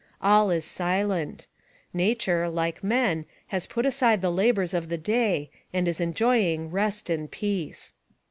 All is silent. Nature, like man, has put aside the labors of the day, and is enjoying rest and peace.